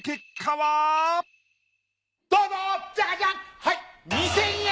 はい２，０００円！